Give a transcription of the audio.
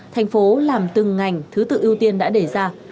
thành phố làm từng ngành thứ tự ưu tiên đã đề ra